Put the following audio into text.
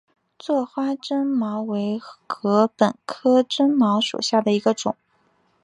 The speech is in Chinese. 座花针茅为禾本科针茅属下的一个种。